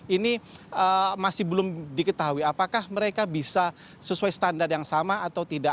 ini masih belum diketahui apakah mereka bisa sesuai standar yang sama atau tidak